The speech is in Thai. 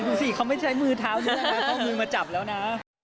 ดูสิเขาไม่ใช้มือเท้าด้วยมีมาจับแล้วนะ